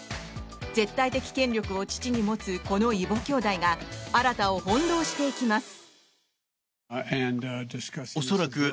絶対的権力を父に持つこの異母兄弟が新を翻弄していきます。